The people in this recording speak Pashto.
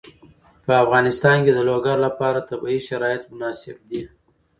په افغانستان کې د لوگر لپاره طبیعي شرایط مناسب دي.